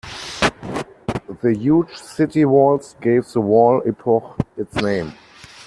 The huge city walls gave the wall epoch its name.